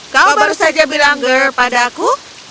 kau baru saja bilangnya kepada aku